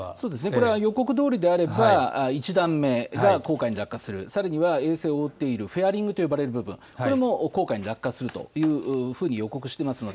これは予告どおりであれば、１段目が黄海に落下する、さらには衛星を覆っているフェアリングと呼ばれる部分、これも黄海に落下するというふうに予告していますので。